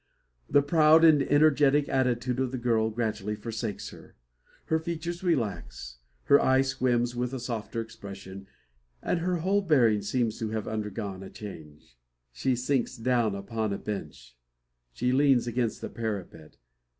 The proud and energetic attitude of the girl gradually forsakes her; her features relax; her eye swims with a softer expression; and her whole bearing seems to have undergone a change. She sinks down upon a bench. She leans against the parapet.